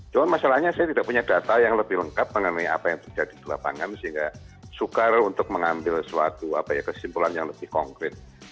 cuma masalahnya saya tidak punya data yang lebih lengkap mengenai apa yang terjadi di lapangan sehingga sukar untuk mengambil suatu kesimpulan yang lebih konkret